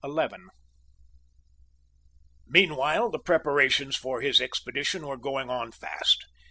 Meanwhile the preparations for his expedition were going on fast.